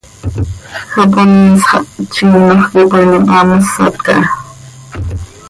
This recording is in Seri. Japonees xah tziinoj quih ipooinim, haa mosat caha.